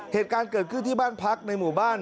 เหตุการณ์เกิดขึ้นที่บ้านพักในหมู่บ้าน